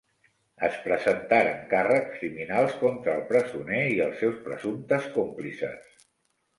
Es presentaren càrrecs criminals contra el presoner i els seus presumptes còmplices.